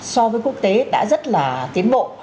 so với quốc tế đã rất là tiến bộ